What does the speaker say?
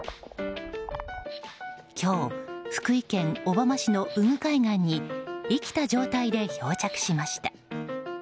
今日、福井県小浜市の宇久海岸に生きた状態で漂着しました。